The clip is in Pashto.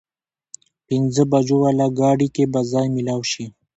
پينځه بجو واله ګاډي کې به ځای مېلاو شي؟